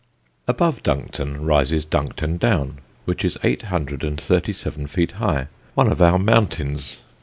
Above Duncton rises Duncton Down, which is eight hundred and thirty seven feet high, one of our mountains.